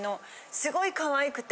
すごいかわいくて。